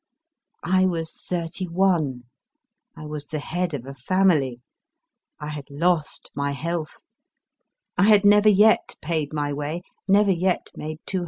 I was thirty one ; I was the head of a family ; I had lost my health ; I had never yet paid my way, never yet made 2OO